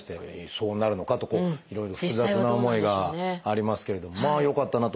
そうなるのかとこう複雑な思いがありますけれどもまあよかったなと思いますね。